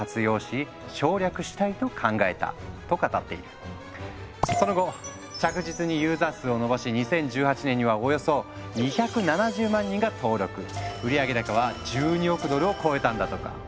創業者のカトリーナ・レイクはその後着実にユーザー数を伸ばし２０１８年にはおよそ２７０万人が登録売上高は１２億ドルを超えたんだとか。